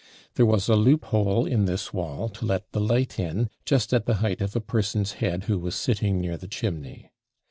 There was a loophole in this wall, to let the light in, just at the height of a person's head, who was sitting near the chimney.